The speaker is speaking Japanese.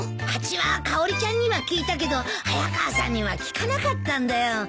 蜂はかおりちゃんには効いたけど早川さんには効かなかったんだよ。